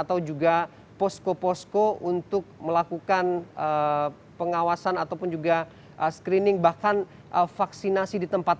atau juga posko posko untuk melakukan pengawasan ataupun juga screening bahkan vaksinasi di tempat